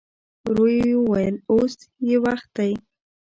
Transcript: ورو يې وويل: اوس يې وخت دی.